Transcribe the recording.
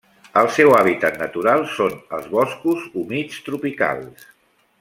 El seu hàbitat natural són els boscos humits tropicals.